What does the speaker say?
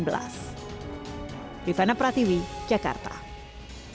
sejumlah fraksi di dpr menilai pergantian panglima tni harus segera dilakukan